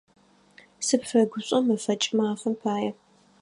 Сыпфэгушӏо мэфэкӏ мафэм пае.